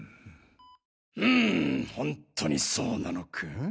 うんほんとにそうなのか？